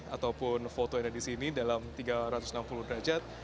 ataupun foto yang ada di sini dalam tiga ratus enam puluh derajat